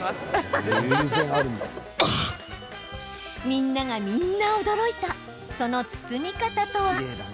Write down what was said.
みんながみんな驚いたその包み方とは？